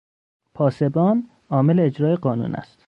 پاسبان، عامل اجرای قانون است.